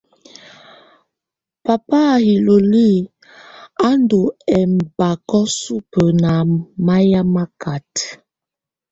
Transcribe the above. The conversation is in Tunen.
Pápá iloli á ndɔ́ ɛmbakɔ̀ supǝ́ ná mayɛ̀á makata.